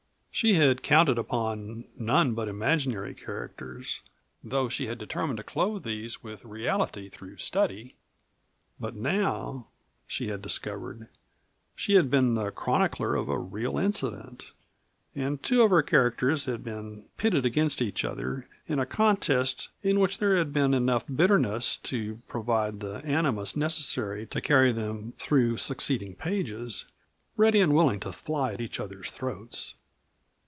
She had counted upon none but imaginary characters, though she had determined to clothe these with reality through study but now, she had discovered, she had been the chronicler of a real incident, and two of her characters had been pitted against each other in a contest in which there had been enough bitterness to provide the animus necessary to carry them through succeeding pages, ready and willing to fly at each other's throats.